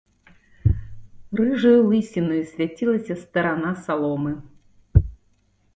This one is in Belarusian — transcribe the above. Рыжаю лысінаю свяцілася старана саломы.